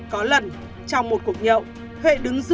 có lần trong một cuộc nhậu huệ đứng giữa